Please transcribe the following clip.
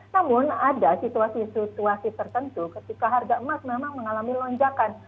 namun ada situasi situasi tertentu ketika harga emas memang mengalami lonjakan